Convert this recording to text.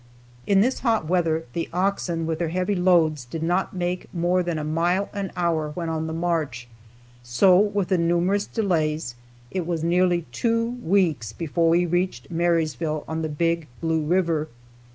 In this hot weather the oxen with their heavy loads did not make more than a mile an hour when on the march, so with the numerous delays it was nearly two weeks before we reached Marysville on the Big Blue River.